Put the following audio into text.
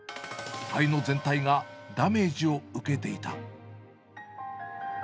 肺の全体がダメージを受けていた。